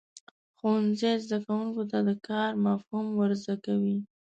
ښوونځی زده کوونکو ته د کار مفهوم ورزده کوي.